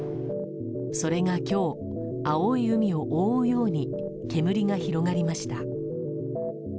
それが今日、青い海を覆うように煙が広がりました。